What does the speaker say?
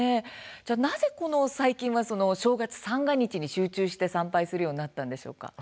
では、なぜ最近は正月三が日に集中して参拝するようになったんでしょうか。